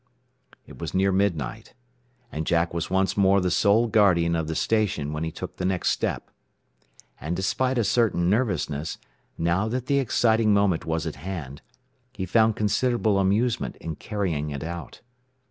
It was near midnight, and Jack was once more the sole guardian of the station when he took the next step. And despite a certain nervousness, now that the exciting moment was at hand, he found considerable amusement in carrying it out.